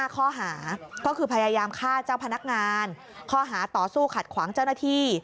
ข้อหาก็คือพยายามฆ่าเจ้าพนักงานข้อหาต่อสู้ขัดขวางเจ้าหน้าที่